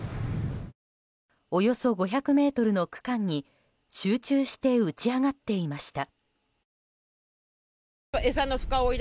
およそ５００ｍの区間に集中して打ち揚がっていました。